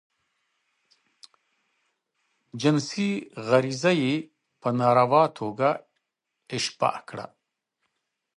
جنسی غریزه ئې په ناروا توګه اشباه کیږي.